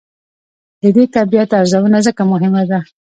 د دې طبیعت ارزونه ځکه مهمه ده.